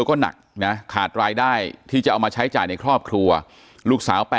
ก็หนักนะขาดรายได้ที่จะเอามาใช้จ่ายในครอบครัวลูกสาว๘